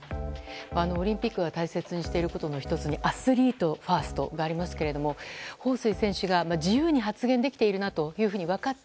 オリンピックが大切にしていることの１つにアスリートファーストがありますけれどホウ・スイさんが自由に発言できているなと分かって